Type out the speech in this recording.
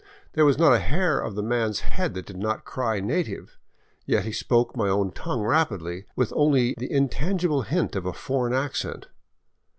There was not a hair of the man's head that did not cry native, yet he spoke my own tongue rapidly, with only the intangible hint of a foreign accent.